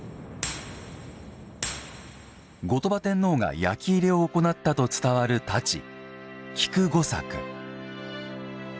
後鳥羽天皇が焼き入れを行ったと伝わる太刀「菊御作」。